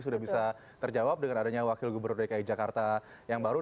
sudah bisa terjawab dengan adanya wakil gubernur dki jakarta yang baru